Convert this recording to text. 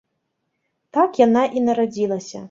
Так яна і нарадзілася.